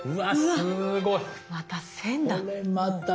すごい。